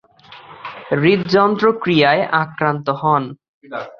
হৃদযন্ত্রক্রীয়ায় আক্রান্ত হন।